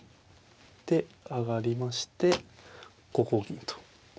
で上がりまして５五銀と。